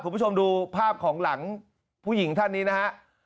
คุณผู้ชมดูภาพของหลังผู้หญิงท่านนี้นะฮะ